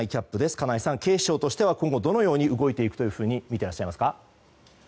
金井さん、警視庁は今後どのように動いていくとみてらっしゃいますか？